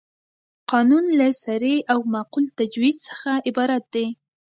قانون له صریح او معقول تجویز څخه عبارت دی.